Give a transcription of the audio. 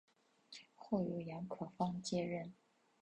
后由杨可芳接任。